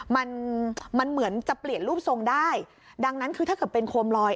มันมันเหมือนจะเปลี่ยนรูปทรงได้ดังนั้นคือถ้าเกิดเป็นโคมลอย